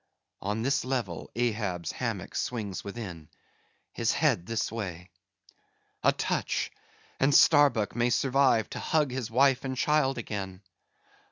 "On this level, Ahab's hammock swings within; his head this way. A touch, and Starbuck may survive to hug his wife and child again.